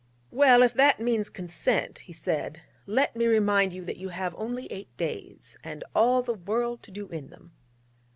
'Well, if that means consent,' he said, 'let me remind you that you have only eight days, and all the world to do in them.'